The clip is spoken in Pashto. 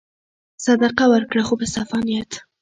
صدقه ورکړه خو په صفا نیت.